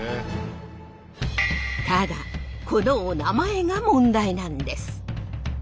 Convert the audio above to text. ただこのおなまえが問題なんです。